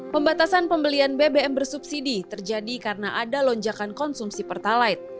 pembatasan pembelian bbm bersubsidi terjadi karena ada lonjakan konsumsi pertalite